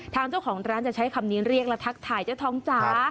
ทางเจ้าของร้านจะใช้คำนี้เรียกและทักทายเจ้าท้องจ๋า